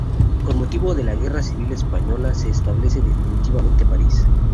Con motivo de la Guerra Civil Española, se establece definitivamente en París.